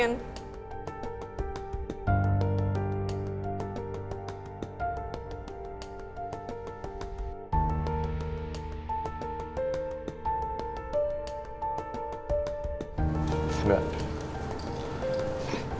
ini ada hal lain gitu